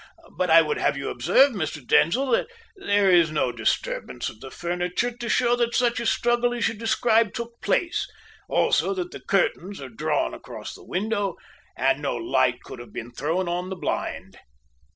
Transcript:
But I would have you observe, Mr. Denzil, that there is no disturbance of the furniture to show that such a struggle as you describe took place; also that the curtains are drawn across the window, and no light could have been thrown on the blind."